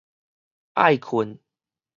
愛睏